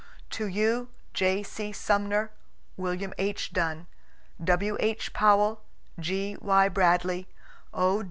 To you J. C. Sumner, William H. Dunn, W. H. Powell, G. Y. Bradley, O.